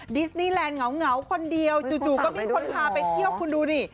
ดิสนีแลนด์เหงาคนเดียวจู่ก็มีคนพาไปเที่ยวคุณดูดิ